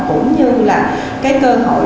cũng như là cơ hội